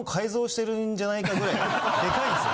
デカいんですよ。